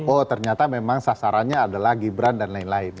oh ternyata memang sasarannya adalah gibran dan lain lain